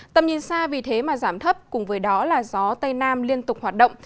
tầm nhìn xa vì thế mà giảm thấp cùng với đó là gió tây nam liên tục hoạt động